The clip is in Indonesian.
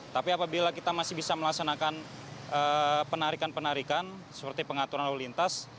tapi apabila kita masih bisa melaksanakan penarikan penarikan seperti pengaturan lalu lintas